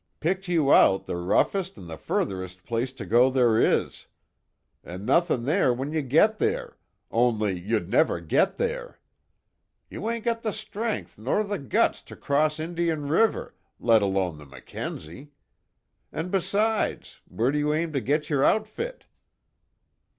Picked you out the roughest an' the furtherest place to go there is. An' nuthin' there when you get there only you'd never get there. You ain't got the strength nor the guts to cross Indian River let alone the Mackenzie. An' besides, where do you aim to get your outfit?"